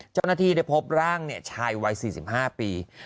เจ้าหน้าที่ได้พบร่างชายวัย๔๕ปี